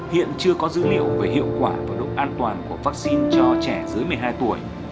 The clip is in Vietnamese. hiện chưa có dữ liệu về hiệu quả và độ an toàn của vaccine cho trẻ dưới một mươi hai tuổi